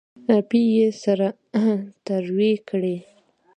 پۍ یې سره تروې کړې.